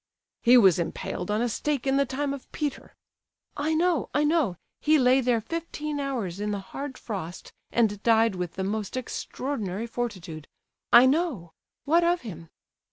"He was impaled on a stake in the time of Peter." "I know, I know! He lay there fifteen hours in the hard frost, and died with the most extraordinary fortitude—I know—what of him?"